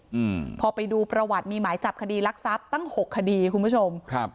อืมพอไปดูประวัติมีหมายจับคดีรักทรัพย์ตั้งหกคดีคุณผู้ชมครับ